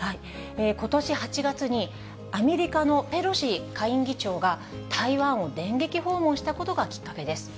ことし８月にアメリカのペロシ下院議長が、台湾を電撃訪問したことがきっかけです。